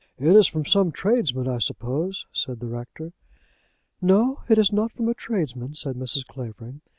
"It's from some tradesman, I suppose?" said the rector. "No; it's not from a tradesman," said Mrs. Clavering.